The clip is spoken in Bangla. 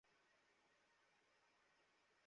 এখনই বেরোতে হবে।